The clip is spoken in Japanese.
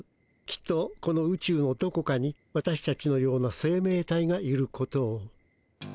きっとこのうちゅうのどこかに私たちのような生命体がいることを。